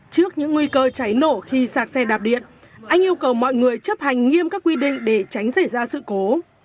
trước những nguy cơ cháy nổ khi sạc xe đạp điện anh yêu cầu mọi người chấp hành nghiêm các quy định để tránh xảy ra sự cố